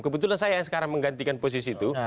kebetulan saya yang sekarang menggantikan posisi itu